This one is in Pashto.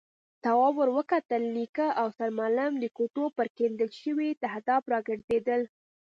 تواب ور وکتل، نيکه او سرمعلم د کوټو پر کېندل شوي تهداب راګرځېدل.